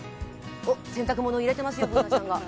洗濯物を入れていますよ、Ｂｏｏｎａちゃんが。